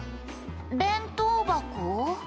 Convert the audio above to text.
弁当箱？」